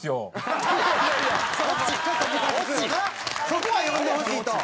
そこは呼んでほしいと。